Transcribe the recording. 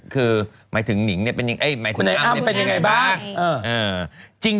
คือหมายถึงอ้ำเป็นยังไงบ้าง